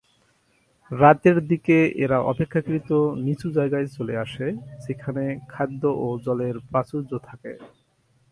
রাতের দিকে এরা অপেক্ষাকৃত নিচু জায়গায় চলে আসে যেখানে খাদ্য ও জলের প্রাচুর্য থাকে।